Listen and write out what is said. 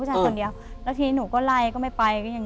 จากนั้นตอนนั้นเขาก็มานั่ง